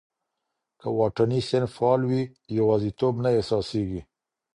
که واټني صنف فعال وي، یوازیتوب نه احساسېږي.